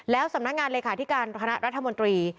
แล้วสำนักงานเลขาธิการคณะรัฐมนตรี